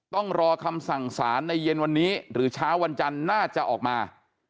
ต้องรอคำสั่งสารในเย็นวันนี้หรือเช้าวันจันทร์น่าจะออกมา